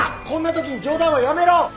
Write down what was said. こんなときに冗談はやめろ！